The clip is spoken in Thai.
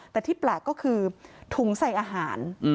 แต่ที่แปลกก็คือถุงใส่อาหาร